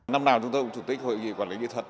năm nào chúng tôi cũng chủ tích hội nghị quản lý kỹ thuật